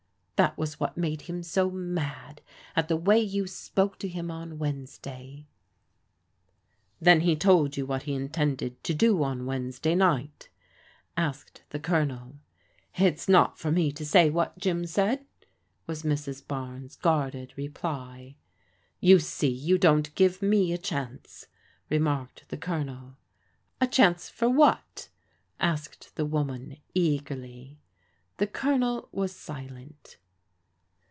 That was what made him so mad at the way you spoke to him on Wednesday/' 138 PRODIGAL DAUGHTERS " Then he told you what he intended to do on Wednesr day night ?" asked the. Colonel. "It's not for me to say what Jim ssid, svas Mrs. Barnes' guarded reply. " You see you don't give me a chance/' remarked the Colonel. " A chance for what? " asked the woman eagerly. The Colonel was silent.